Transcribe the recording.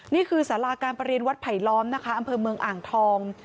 นี่คือสาราการประเรียนวัดไผลล้อมนะคะอำเภอเมืองอ่างทอง